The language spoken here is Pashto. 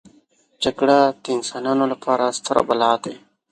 جګړه د انسانانو لپاره ستره بلا ده